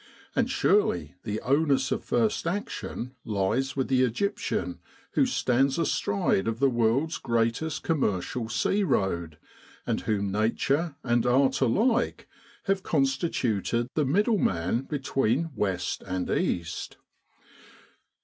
And surely the onus of first action lies with the Egyptian who stands astride of the world's greatest commercial sea road, and whom Nature and art alike have constituted the middleman between West and East.